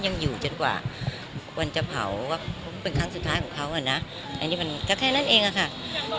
อย่างบอกหน้านี้ว่าแบบทำไมไม่ได้มีการเป็นส่วนที่คุยกันทั้งทั่วทั่วพี่สมมุติอย่างเงี้ย